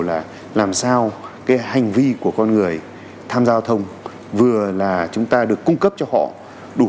là làm sao cái hành vi của con người tham gia giao thông vừa là chúng ta được cung cấp cho họ đủ